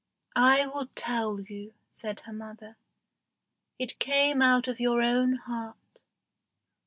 "I will tell you," said her mother; "it came out of your own heart.